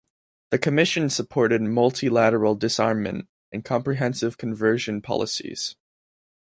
The commission supported multilateral disarmament and comprehensive conversion policies.